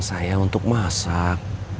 saya untuk masak